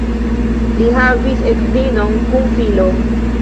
Li havis edzinon kun filo.